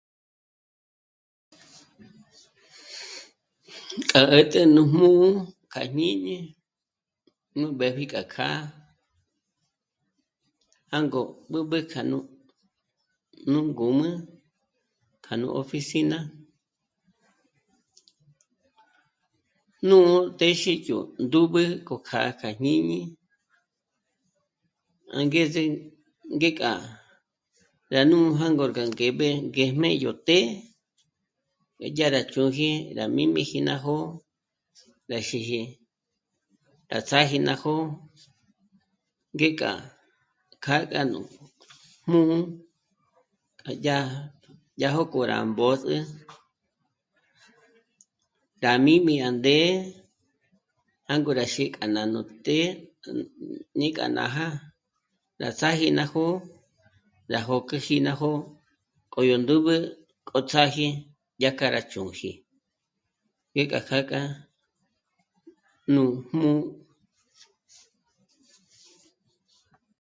K'a 'ä̀t'ä nú jmū̌'ū kja jñíñi nú mbépji k'a kjâ'a jângo b'ǚb'ü kja nú... nú ngǔm'ü kja nú oficina, nû'u téxi yó ndúb'e k'o kjâ'a kja jñíñi angeze ngék'a rá nû'u jângo rá ngéb'e ngéjm'e yó të́'ë, dyà rá chū̂ji rá mī́m'īji ná jó'o rá xíji, rá ts'âji ná jó'o ngék'a k'â'a ngá nú jmū́'ū k'a dyá, dyá jókò rá mbôzü rá mī́m'ī à ndé'e jângo rá xí' k'a nú të́'ë ní k'a nája, rá ts'âji ná jó'o, rá jôk'oji ná jó'o k'o yó ndǜb'ü k'o ts'âji dyájkja rá chū̂ji, ngék'a kjâkja nú jmū́'ū